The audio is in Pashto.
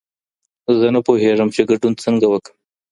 زه نه پوهېږم چې ګډون څنګه وکړم.